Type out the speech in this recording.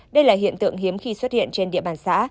đây là hiện tượng hiếm khi xuất hiện trên địa bàn xã